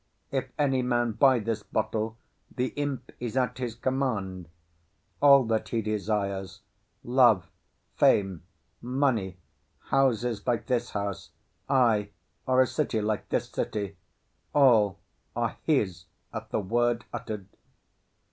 If any man buy this bottle the imp is at his command; all that he desires—love, fame, money, houses like this house, ay, or a city like this city—all are his at the word uttered.